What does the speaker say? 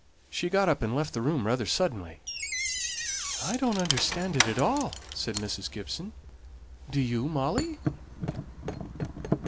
She got up, and left the room rather suddenly. "I don't understand it at all," said Mrs. Gibson. "Do you, Molly?"